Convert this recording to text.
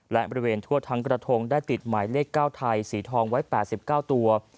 และบริเวณทั่วทั้งกระทงได้ติดหมายเลข๙ไทยสีทองไว้๘๙ตัว